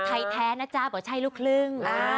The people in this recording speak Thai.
ใครแท้นะจ้าบอกว่าใช่ลูกคลึ้ง